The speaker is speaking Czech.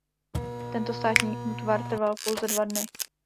Tento státní útvar trval pouze dva dny.